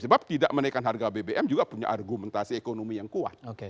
sebab tidak menaikkan harga bbm juga punya argumentasi ekonomi yang kuat